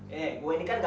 jangan banyak nanya dulu